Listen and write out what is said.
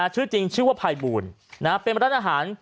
ชื่อจริงชื่อว่าภัยบูลเป็นร้านอาหาร